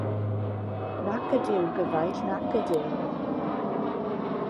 Nac ydyw, gyfaill, nac ydyw.